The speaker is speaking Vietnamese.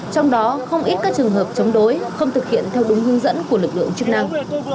trong đó không ít các trường hợp chống đối không thực hiện theo đúng hướng dẫn của lực lượng chức năng